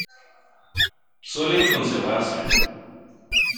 Suelen conservarse.